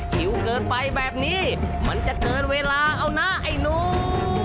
คิวเกินไปแบบนี้มันจะเกินเวลาเอานะไอ้หนู